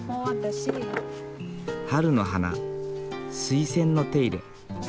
春の花スイセンの手入れ。